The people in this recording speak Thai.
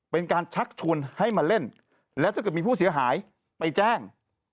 เป็นการชักชวนให้มาเล่นแล้วถ้าเกิดมีผู้เสียหายไปแจ้ง